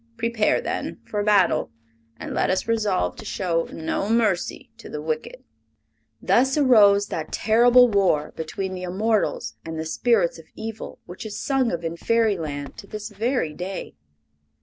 Prepare, then, for battle, and let us resolve to show no mercy to the wicked!" Thus arose that terrible war between the immortals and the spirits of evil which is sung of in Fairyland to this very day.